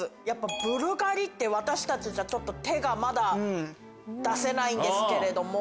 ブルガリって私たちじゃちょっと手がまだ出せないんですけれども。